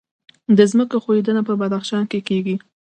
د ځمکې ښویدنه په بدخشان کې کیږي